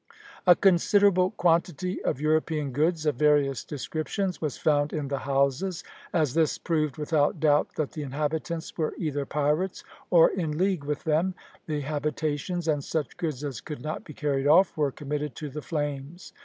A considerable quantity of European goods of various descriptions was found in the houses; as this proved without doubt that the inhabitants were either pirates or in league with them, the habitations, and such goods as could not be carried off, were committed to the flames.